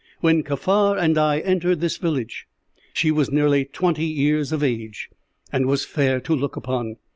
"When Kaffar and I entered this village, she was nearly twenty years of age, and was fair to look upon.